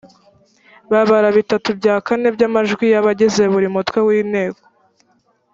babara bitatu bya kane by amajwi y’abagize buri mutwe w’inteko